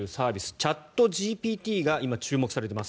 チャットＧＰＴが今、注目されています。